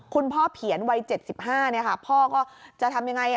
คุณพ่อเผียนวัย๗๕พ่อก็จะทำยังไง